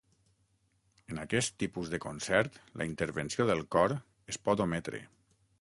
En aquest tipus de concert la intervenció del cor es pot ometre.